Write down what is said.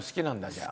じゃあ。